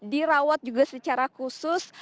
dirawat juga secara khusus